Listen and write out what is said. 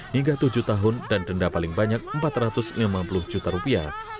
hingga tujuh tahun dan denda paling banyak empat ratus lima puluh juta rupiah